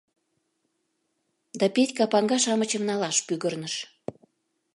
— Да Петька паҥга-шамычым налаш пӱгырныш.